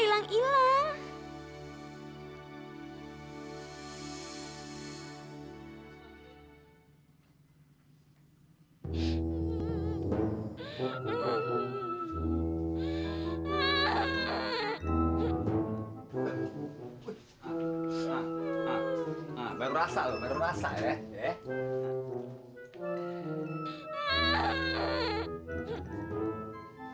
hanya kok k yeon